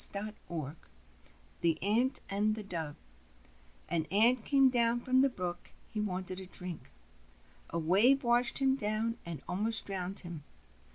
JESOF'S FABLES THE ANT AND THE DOVE An Ant came down to the brook : he wanted to drink. A wave washed him down and almost drowued him.